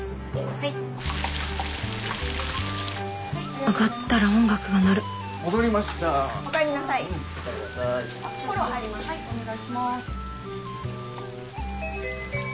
はいお願いします。